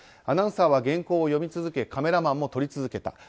アナウンサーは原稿を読み続けカメラマンも撮り続けた。